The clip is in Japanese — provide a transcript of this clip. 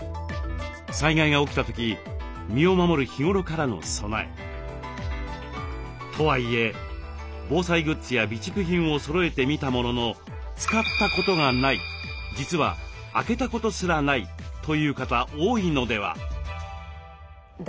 災害が起きた時身を守る日頃からの備え。とはいえ防災グッズや備蓄品をそろえてみたものの使ったことがない実は開けたことすらないという方多いのでは？